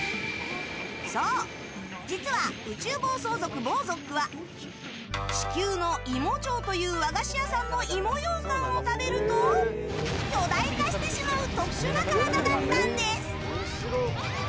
そう、実は宇宙暴走族ボーゾックは地球の芋長という和菓子屋さんの芋ようかんを食べると巨大化してしまう特殊な体だったんです。